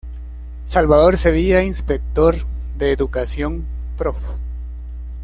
Salvador Sevilla, Inspector de Educación, Prof.